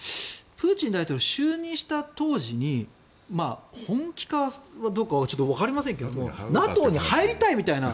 プーチン大統領、就任した当時に本気かどうかはわかりませんけれどもＮＡＴＯに入りたいみたいな